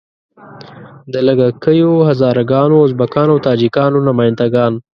د لږه کیو هزاره ګانو، ازبکانو او تاجیکانو نماینده ګان.